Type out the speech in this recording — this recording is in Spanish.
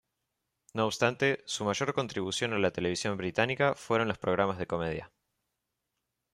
No obstante, su mayor contribución a la televisión británica fueron los programas de comedia.